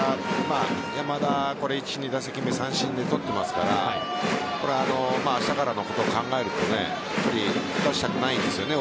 山田、１、２打席目三振に取っていますから明日からのことを考えると打たせたくないんですよね